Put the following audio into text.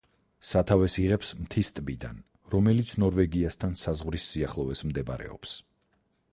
სათავეს იღებს მთის ტბიდან, რომელიც ნორვეგიასთან საზღვრის სიახლოვეს მდებარეობს.